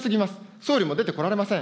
総理も出てこられません。